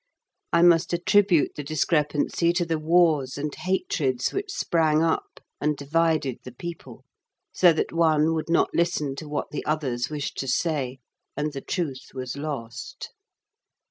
I must attribute the discrepancy to the wars and hatreds which sprang up and divided the people, so that one would not listen to what the others wished to say, and the truth was lost.